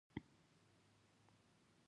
هغه د باغ میوه په مسکینانو ویشله.